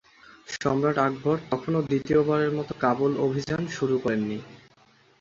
সম্রাট আকবর তখনও দ্বিতীয়বারের মত কাবুল অভিযান শুরু করেন নি।